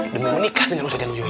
demi menikah dengan usaha januyuy